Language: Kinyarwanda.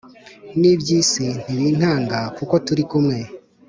n’iby’isi ntibinkanga, kuko turi kumwe